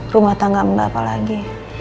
rumah tangga mba apalagi